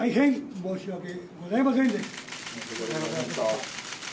申し訳ございませんでした。